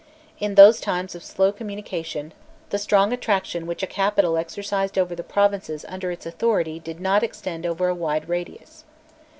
In those times of slow communication, the strong attraction which a capital exercised over the provinces under its authority did not extend over a wide radius.